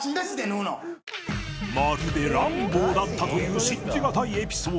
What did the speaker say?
まるでランボーだったという信じがたいエピソード